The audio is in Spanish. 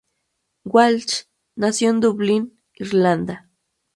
Walsh nació en Dublín, Irlanda.